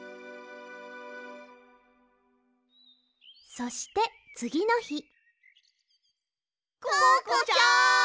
そしてつぎのひココちゃん！